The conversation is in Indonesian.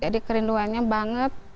jadi kerinduannya banget